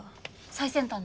最先端の。